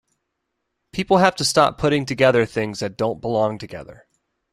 People have to stop putting together things that don't belong together.